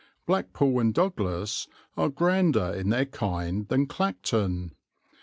Blackpool and Douglas are grander in their kind than Clacton.